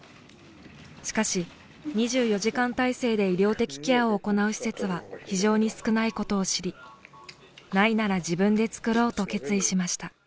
しかし２４時間体制で医療的ケアを行う施設は非常に少ないことを知りないなら自分でつくろうと決意しました。